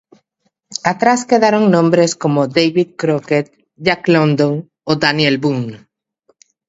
Atrás quedaron nombres como David Crockett, Jack London o Daniel Boone.